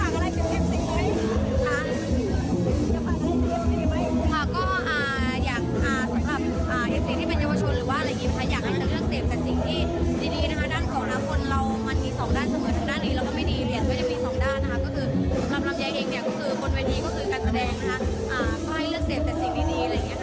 ก็ให้เลือกเสร็จแต่สิ่งดี